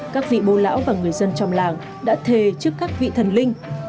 các vị bồ lão và người dân trong làng đã thề trước các vị thần linh